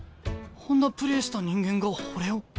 あんなプレーした人間が俺を？